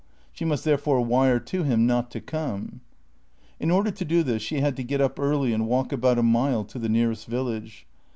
She must therefore wire to him not to come. In order to do this she had to get up early and walk about a mile to the nearest village.